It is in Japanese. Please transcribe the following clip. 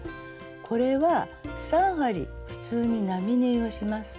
これは３針普通に並縫いをします。